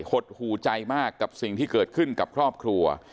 หดหูใจมากกับสิ่งที่เกิดขึ้นกับครอบครัว